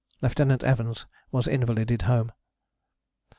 Lieutenant Evans was invalided home.